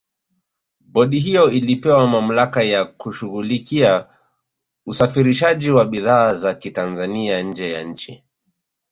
Bodi hiyo ilipewa mamlaka ya kushughulikia usafirishaji wa bidhaa za kitanzania nje ya nchi